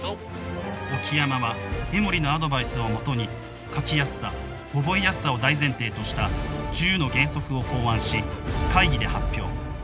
沖山は江守のアドバイスをもとに書きやすさ・覚えやすさを大前提とした十の原則を考案し会議で発表